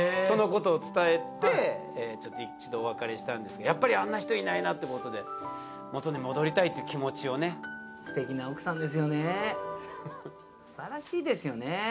そのことを伝えてちょっと一度お別れしたんですがやっぱりあんな人いないなってことで元に戻りたいっていう気持ちをねですよね素晴らしいですよね